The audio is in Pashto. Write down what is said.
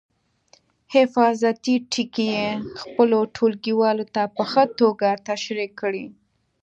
حفاظتي ټکي یې خپلو ټولګیوالو ته په ښه توګه تشریح کړئ.